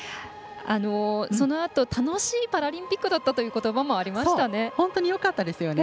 そのあと楽しいパラリンピックだったということばもありましたね。